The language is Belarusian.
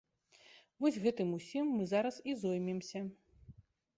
Вось гэтым усім мы зараз і зоймемся.